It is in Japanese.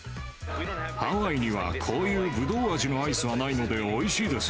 ハワイにはこういうぶどう味のアイスはないので、おいしいです。